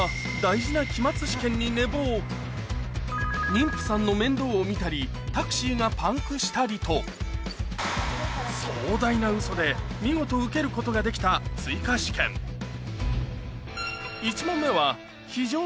妊婦さんの面倒を見たりタクシーがパンクしたりと壮大なウソで見事受けることができた追加試験さぁ